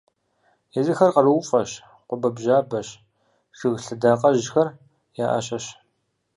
Езыхэр къарууфӀэщ, къуабэбжьабэщ, жыг лъэдакъэжьхэр я Ӏэщэщ.